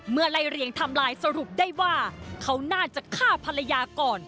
ไล่เรียงทำลายสรุปได้ว่าเขาน่าจะฆ่าภรรยาก่อน